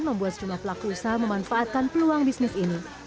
membuat sejumlah pelaku usaha memanfaatkan peluang bisnis ini